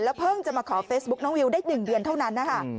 เพิ่งจะมาขอเฟซบุ๊คน้องวิวได้๑เดือนเท่านั้นนะคะ